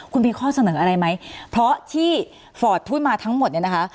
คุณมีข้อเสนออะไรไหมเพราะที่ฟอร์ตพูดมาทั้งหมดเนี่ยนะคะ